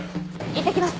いってきます！